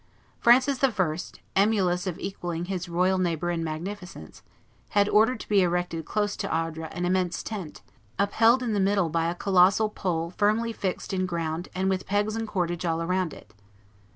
Francis I., emulous of equalling his royal neighbor in magnificence, had ordered to be erected close to Ardres an immense tent, upheld in the middle by a colossal pole firmly fixed in the ground and with pegs and cordage all around it.